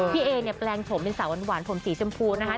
เอเนี่ยแปลงผมเป็นสาวหวานผมสีชมพูนะคะ